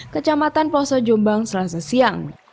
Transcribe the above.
kecamatan pulau sojombang selasa siang